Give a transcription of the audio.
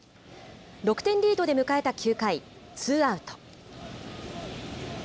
６点リードで迎えた９回、ツーアウト。